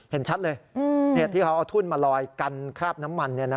เห็นชัดเลยเหตุที่เขาเอาทุ่นมาลอยกันคราบน้ำมันเนี่ยนะฮะ